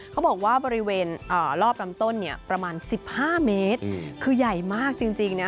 เขาบอกว่าบริเวณรอบลำต้นเนี่ยประมาณ๑๕เมตรคือใหญ่มากจริงนะ